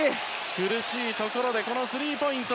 苦しいところでスリーポイント！